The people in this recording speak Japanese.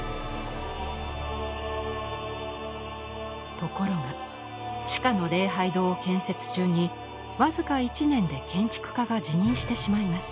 ところが地下の礼拝堂を建設中に僅か１年で建築家が辞任してしまいます。